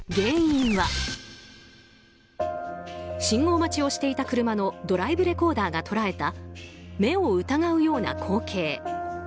信号待ちをしていた車のドライブレコーダーが捉えた目を疑うような光景。